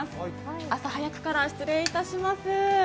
朝早くから失礼いたします。